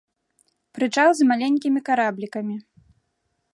Прычал з маленькімі караблікамі.